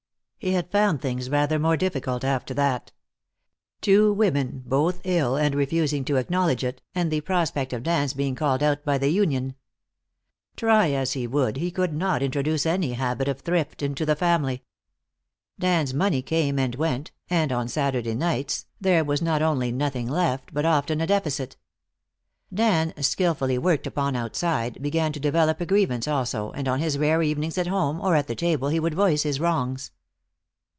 He had found things rather more difficult after that. Two women, both ill and refusing to acknowledge it, and the prospect of Dan's being called out by the union. Try as he would, he could not introduce any habit of thrift into the family. Dan's money came and went, and on Saturday nights there was not only nothing left, but often a deficit. Dan, skillfully worked upon outside, began to develop a grievance, also, and on his rare evenings at home or at the table he would voice his wrongs.